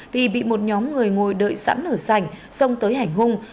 thì bị một nhóm người ngồi đợi sẵn ở sảnh xong tới hành hung